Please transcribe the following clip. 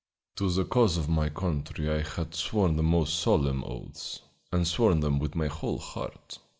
To the cause of my country I had sworn the most solemn oaths, and sworn them with my whole heart.